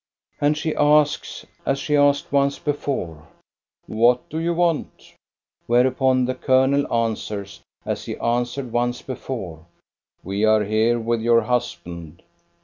And she asks, as she asked once before, —" What do you want ?" Whereupon the colonel answers, as he answered once before, —" We are here with your husband.